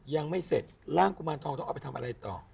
ยังไม่เสร็จร่างกุมารทองต้องเอาไปทำอะไรต่อ